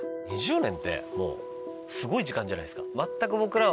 ２０年ってすごい時間じゃないですか。